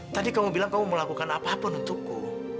tadi kamu bilang kamu mau melakukan apa pun untukku